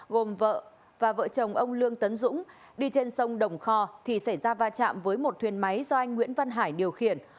gồm vợ và vợ chồng ông lương tấn dũng đi trên sông đồng kho thì xảy ra va chạm với một thuyền máy do anh nguyễn văn hải điều khiển